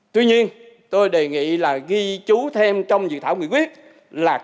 tuy nhiên tôi đề nghị là ghi chú thêm trong dự thảo quy quyết là các